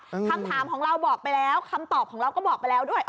คำถามของเราบอกไปแล้วคำตอบของเราก็บอกไปแล้วด้วย